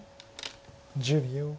１０秒。